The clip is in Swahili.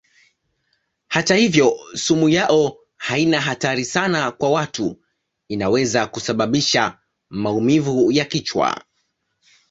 Hata hivyo sumu yao haina hatari sana kwa watu; inaweza kusababisha maumivu ya kichwa.